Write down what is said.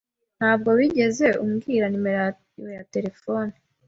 Ntabwo wigeze umbwira nimero yawe ya terefone.